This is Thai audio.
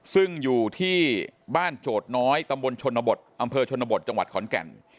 ซึ่งอยู่ที่บ้านโจทย์น้อยตำบลชนบทอำเภอชนบทจังหวัดขอนแก่น